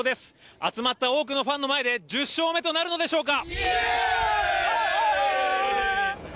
集まった多くのファンの前で１０勝目となるのでしょうか。